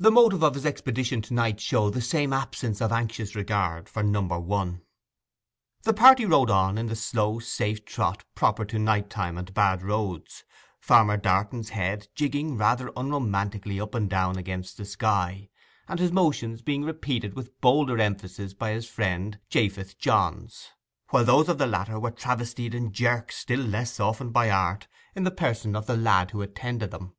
The motive of his expedition to night showed the same absence of anxious regard for Number One. The party rode on in the slow, safe trot proper to night time and bad roads, Farmer Darton's head jigging rather unromantically up and down against the sky, and his motions being repeated with bolder emphasis by his friend Japheth Johns; while those of the latter were travestied in jerks still less softened by art in the person of the lad who attended them.